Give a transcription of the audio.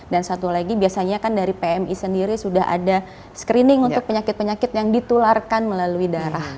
satu lagi biasanya kan dari pmi sendiri sudah ada screening untuk penyakit penyakit yang ditularkan melalui darah